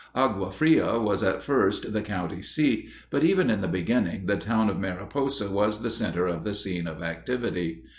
Agua Fria was at first the county seat, but even in the beginning the town of Mariposa was the center of the scene of activity.